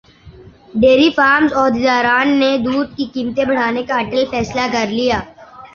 dairy farms عہدیداران نے دودھ کی قیمتیں بڑھانے کا اٹل فیصلہ کرلیا